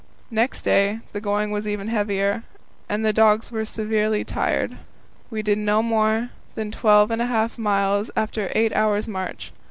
Next day the going was even heavier, and the dogs were severely tried. W e did no more than twelve and a half miles after eight hours' march.